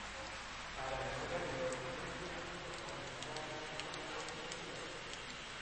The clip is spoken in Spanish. Para mejorarlo, es preciso aumentar estas dos cantidades.